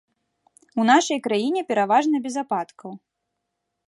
У нашай краіне пераважна без ападкаў.